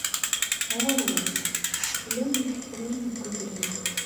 Ɣur-wat: Llan yifekren deg ubrid.